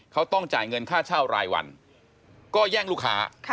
เขาต้องจ่ายเงินค่าเช่ารายวันก็แย่งลูกค้า